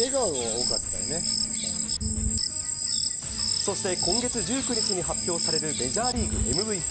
そして今月１９日に発表されるメジャーリーグＭＶＰ。